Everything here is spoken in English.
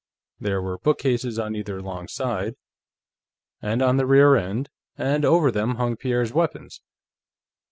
There were bookcases on either long side, and on the rear end, and over them hung Pierre's weapons.